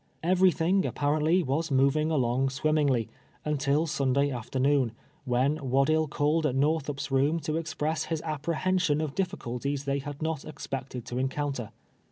Everything, apparently, was moving ah)ng swim mingly, until Sunday afternoon, when Waddill called at jSTorthup's room to express his apj)rehension of dif ficulties they had not expected to encounter.